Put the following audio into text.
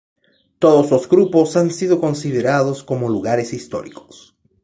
Todos los grupos han sido considerados como lugares históricos.